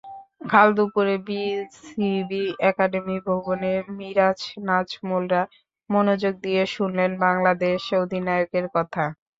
কাল দুপুরে BCB academy ভবনে মিরাজ-নাজমুলরা মনোযোগ দিয়ে শুনলেন বাংলাদেশ অধিনায়কের কথা।